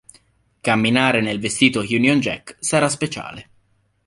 Camminare nel vestito Union Jack sarà speciale.